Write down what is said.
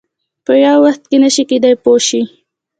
په یو وخت کې نه شي کېدای پوه شوې!.